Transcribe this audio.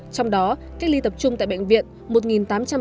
trong đó cách ly tập trung tại bệnh viện